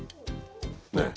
ねえ。